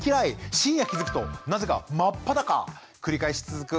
深夜気付くとなぜか真っ裸⁉繰り返し続く